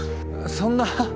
そんな。